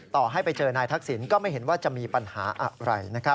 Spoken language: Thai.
ต่อให้ไปเจอนายทักษิณก็ไม่เห็นว่าจะมีปัญหาอะไร